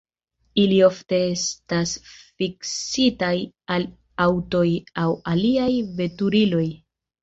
Ili ofte estas fiksitaj al aŭtoj aŭ aliaj veturiloj.